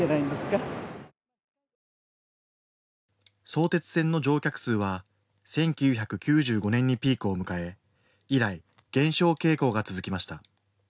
相鉄線の乗客数は１９９５年にピークを迎え以来、減少傾向が続きました。